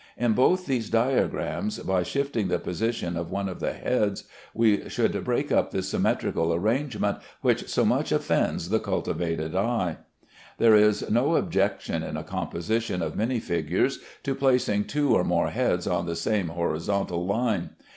In both these diagrams, by shifting the position of one of the heads, we should break up the symmetrical arrangement which so much offends the cultivated eye. There is no objection, in a composition of many figures, to placing two or more heads on the same horizontal line.